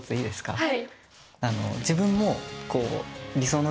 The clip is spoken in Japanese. はい。